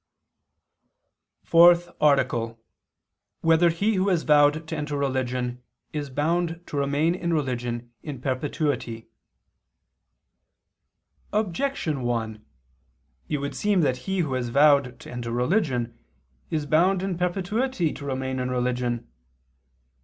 _______________________ FOURTH ARTICLE [II II, Q. 189, Art. 4] Whether He Who Has Vowed to Enter Religion Is Bound to Remain in Religion in Perpetuity? Objection 1: It would seem that he who has vowed to enter religion, is bound in perpetuity to remain in religion.